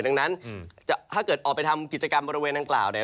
ดังนั้นถ้าเกิดออกไปทำกิจกรรมบริเวณดังกล่าวเนี่ย